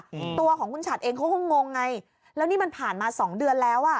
อืมตัวของคุณฉัดเองเขาก็งงไงแล้วนี่มันผ่านมาสองเดือนแล้วอ่ะ